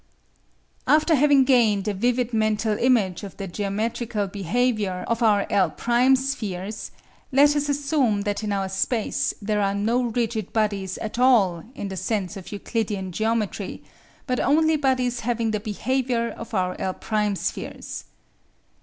After having gained a vivid mental image of the geometrical behaviour of our L' spheres, let us assume that in our space there are no rigid bodies at all in the sense of Euclidean geometry, but only bodies having the behaviour of our L' spheres.